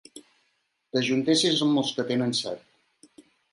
T'ajuntessis amb els que tenen set.